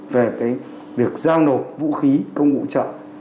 về việc giao nộp vũ khí công vụ trợ